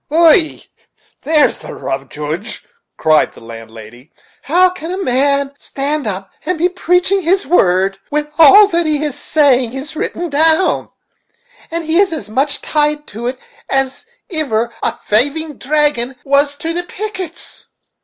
"Ày! there's the rub, Joodge," cried the landlady. "How can a man stand up and be preaching his word, when all that he is saying is written down, and he is as much tied to it as iver a thaving dragoon was to the pickets?"